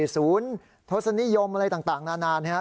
ศูนย์ทศนิยมอะไรต่างนานนะฮะ